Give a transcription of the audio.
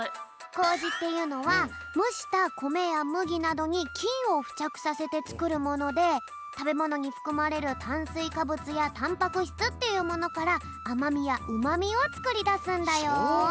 こうじっていうのはむしたこめやむぎなどにきんをふちゃくさせてつくるものでたべものにふくまれるたんすいかぶつやたんぱくしつっていうものからあまみやうまみをつくりだすんだよ。